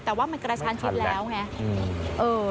แต่ว่ามันกระชันชิดแล้วไง